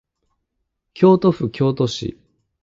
京都府京都市